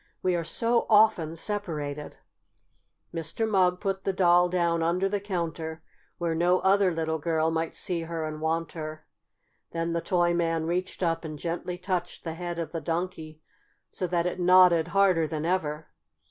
We are so often separated." Mr. Mugg put the doll down under the counter, where no other little girl might see her and want her. Then the toy man reached up and gently touched the head of the Donkey, so that it nodded harder than ever.